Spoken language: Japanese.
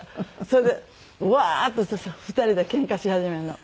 それでワーッと２人でケンカし始めるの。